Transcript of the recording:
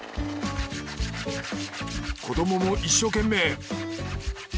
子供も一生懸命。